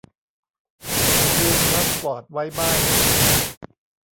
ลืมพาสปอร์ตไว้บ้าน